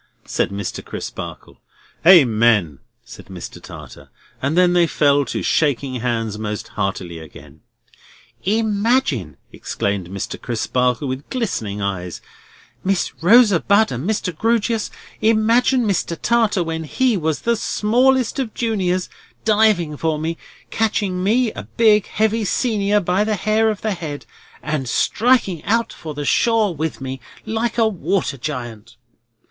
said Mr. Crisparkle. "Amen!" said Mr. Tartar. And then they fell to shaking hands most heartily again. "Imagine," exclaimed Mr. Crisparkle, with glistening eyes: "Miss Rosa Bud and Mr. Grewgious, imagine Mr. Tartar, when he was the smallest of juniors, diving for me, catching me, a big heavy senior, by the hair of the head, and striking out for the shore with me like a water giant!"